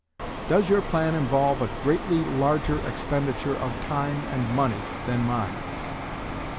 Does your plan involve a greatly larger expenditure of time and money than mine?